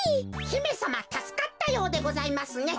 ひめさまたすかったようでございますね。